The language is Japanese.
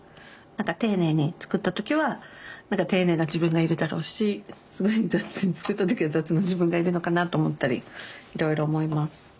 丁寧に作った時は丁寧な自分がいるだろうしすごい雑に作った時は雑な自分がいるのかなと思ったりいろいろ思います。